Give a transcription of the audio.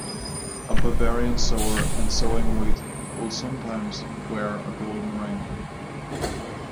A Bavarian sower in sowing wheat will sometimes wear a golden ring.